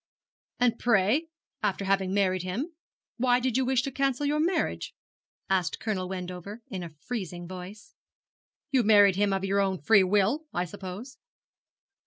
'And pray, after having married him, why did you wish to cancel your marriage?' asked Colonel Wendover, in a freezing voice. 'You married him of your own free will I suppose?'